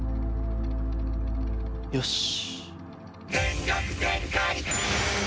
よし。